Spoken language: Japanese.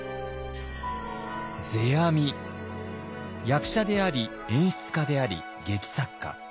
役者であり演出家であり劇作家。